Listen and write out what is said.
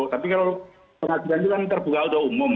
tapi kalau pengadilan itu kan terbuka untuk umum